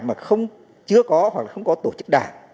mà chưa có hoặc không có tổ chức đảng